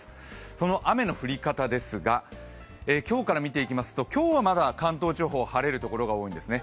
その雨の降り方ですが今日から見ていきますと今日はまだ関東地方晴れるところが多いんですね